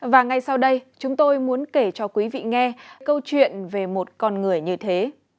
và ngay sau đây chúng tôi muốn kể cho quý vị nghe câu chuyện về một con người như thế